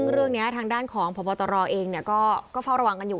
ซึ่งเรื่องนี้ทางด้านของพบตรเองก็เฝ้าระวังกันอยู่